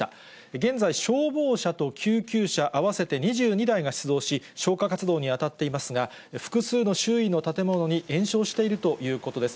現在、消防車と救急車合わせて２２台が出動し、消火活動に当たっていますが、複数の周囲の建物に延焼しているということです。